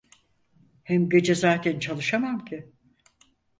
Hem gece zaten çalışamam ki.